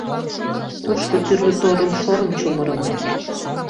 Тушко тӱрлӧ торым-шорым чумырымо.